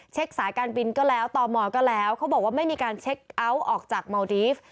สายการบินก็แล้วต่อมอก็แล้วเขาบอกว่าไม่มีการเช็คเอาท์ออกจากเมาดีฟ